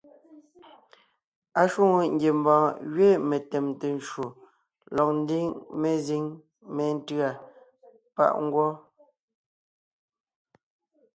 Ashwòŋo ngiembɔɔn gẅiin metèmte ncwò lɔg ńdiŋ menkʉ̀a mezíŋ métʉ̂a páʼ ngwɔ́.